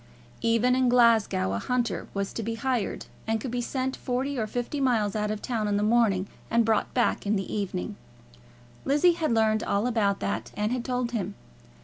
Even in Glasgow a hunter was to be hired, and could be sent forty or fifty miles out of the town in the morning and brought back in the evening. Lizzie had learned all about that, and had told him.